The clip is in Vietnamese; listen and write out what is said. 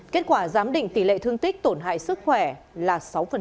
kết quả giám định tỷ lệ thương tích tổn hại sức khỏe là sáu